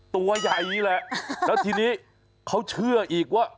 ตัวใหญ่นี่แหละแล้วทีนี้เขาเชื่ออีกว่า